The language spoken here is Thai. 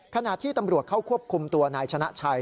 ขณะที่ตำรวจเข้าควบคุมตัวนายชนะชัย